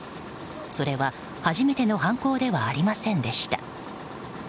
それは初めての犯行ではありませんでした。